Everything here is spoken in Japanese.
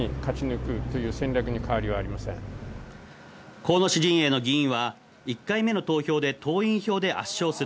河野氏陣営の議員は１回目の投票で、党員票で圧勝する。